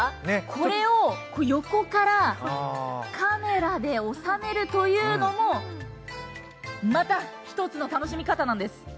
これを横からカメラで収めるというのもまた一つの楽しみ方なんです。